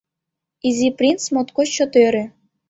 Изи принц моткоч чот ӧрӧ.